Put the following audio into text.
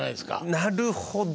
なるほど。